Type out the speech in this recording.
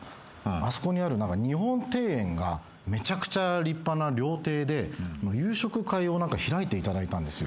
あそこにある日本庭園がめちゃくちゃ立派な料亭で夕食会を開いていただいたんですよ。